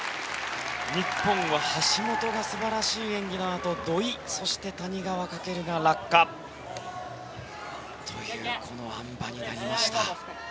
日本は橋本が素晴らしい演技のあと土井と谷川翔が落下というあん馬になりました。